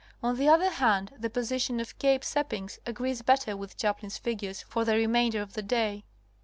On the other hand the position off Cape Seppings agrees better with Chaplin's figures for the remainder of the day.